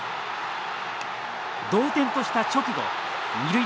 同点とした直後二塁